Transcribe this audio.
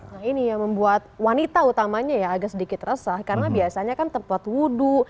nah ini yang membuat wanita utamanya ya agak sedikit resah karena biasanya kan tempat wudhu